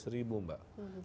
sekarang udah